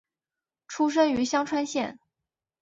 出身于香川县。